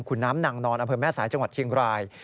คุณน้ำนางนอนอำเภอแม่สายจังหวัดเชียงราย